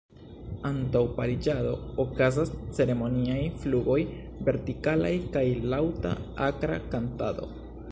Antaŭ pariĝado okazas ceremoniaj flugoj vertikalaj kaj laŭta akra kantado.